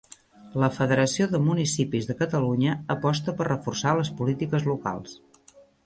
La Federació de Municipis de Catalunya aposta per reforçar les polítiques locals.